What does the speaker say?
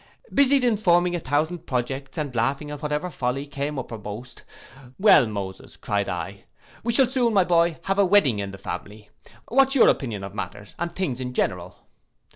Busied in forming a thousand projects, and laughing at whatever folly came uppermost, 'Well, Moses,' cried I, 'we shall soon, my boy, have a wedding in the family, what is your opinion of matters and things in general?